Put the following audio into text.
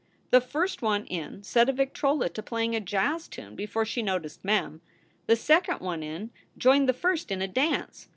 The first one in set a victrola to playing a jazz tune before she noticed Mem. The second one in joined the first in a dance.